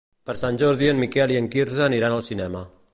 Per Sant Jordi en Miquel i en Quirze aniran al cinema.